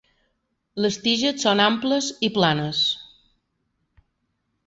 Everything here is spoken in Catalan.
Les tiges són amples i planes.